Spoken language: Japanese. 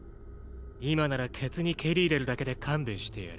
今ならケツに蹴り入れるだけで勘弁してやる。